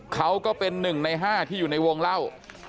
เขาก็เป็นหนึ่งในห้าที่อยู่ในวงเล่า